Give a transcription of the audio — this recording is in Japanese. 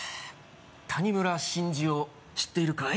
谷村新司を知っているかい？